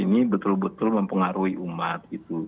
ini betul betul mempengaruhi umat